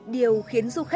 điều khiến quý vị và các bạn